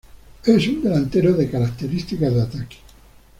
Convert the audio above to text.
Es un delantero de características de ataque.